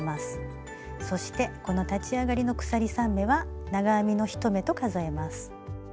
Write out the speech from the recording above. そしてこの立ち上がりの鎖３目は長編みの１目と数えます。